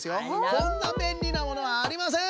こんなべんりなものはありません！